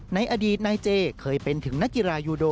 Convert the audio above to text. ในอดีตนายเจเคยเป็นถึงนักกีฬายูโด